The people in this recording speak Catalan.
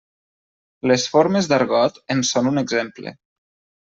Les formes d'argot en són un exemple.